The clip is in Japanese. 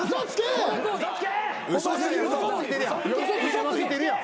嘘ついてるやん。